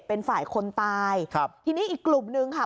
เป็นฝ่ายคนตายครับทีนี้อีกกลุ่มนึงค่ะ